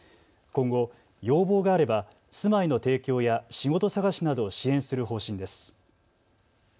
今後、要望があれば住まいの提供や仕事探しなどを支援する方針です。